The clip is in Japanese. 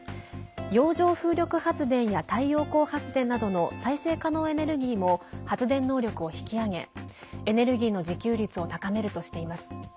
洋上風力発電や太陽光発電などの再生可能エネルギーも発電能力を引き上げエネルギーの自給率を高めるとしています。